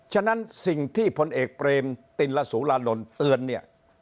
ฉะนั้นสิ่งที่พลเอกเปรมติลสุราลนเตือนเนี่ย